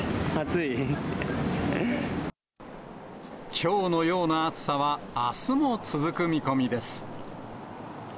きょうのような暑さはあすも続く見込みです。